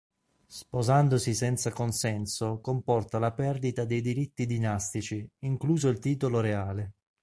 Sposandosi senza consenso comporta la perdita dei diritti dinastici, incluso il titolo reale.